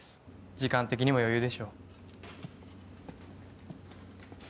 時間的にも余裕でしょう。